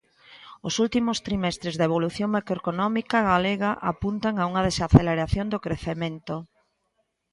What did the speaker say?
Os últimos trimestres da evolución macroeconómica galega apuntan a unha desaceleración do crecemento.